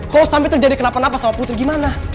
kalau sampai terjadi kenapa napa sama putri gimana